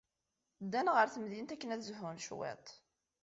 Ddan ɣer temdint akken ad zhun cwiṭ.